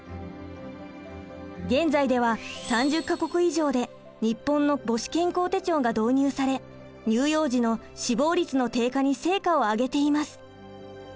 現在では３０か国以上で日本の母子健康手帳が導入され乳幼児の死亡率の低下に成果を上げています。